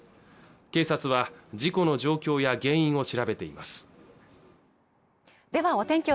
警察は事故の状況や原因を調べていますではお天気